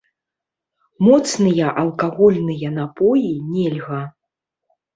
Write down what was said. Моцныя алкагольныя напоі нельга.